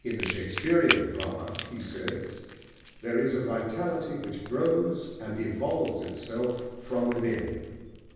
"In the Shakespearian drama," he says, "there is a vitality which grows and evolves itself from within."